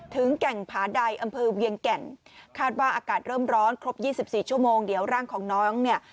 แก่งผาใดอำเภอเวียงแก่นคาดว่าอากาศเริ่มร้อนครบ๒๔ชั่วโมงเดี๋ยวร่างของน้องเนี่ย